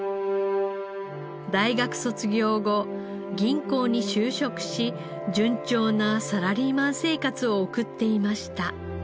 大学卒業後銀行に就職し順調なサラリーマン生活を送っていました。